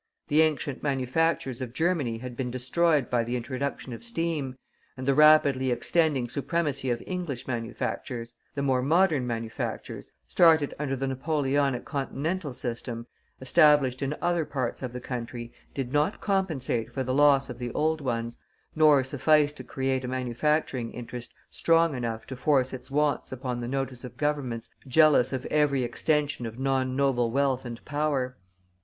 The ancient manufactures of Germany had been destroyed by the introduction of steam, and the rapidly extending supremacy of English manufactures; the more modern manufactures, started under the Napoleonic continental system, established in other parts of the country, did not compensate for the loss of the old ones, nor suffice to create a manufacturing interest strong enough to force its wants upon the notice of Governments jealous of every extension of non noble wealth and power.